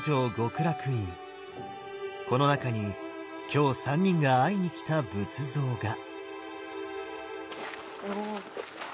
この中に今日三人が会いにきた仏像が。